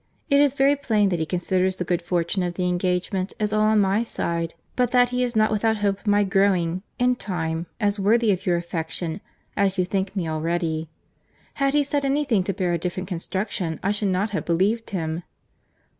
It is very plain that he considers the good fortune of the engagement as all on my side, but that he is not without hope of my growing, in time, as worthy of your affection, as you think me already. Had he said any thing to bear a different construction, I should not have believed him."